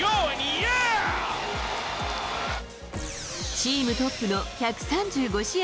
チームトップの１３５試合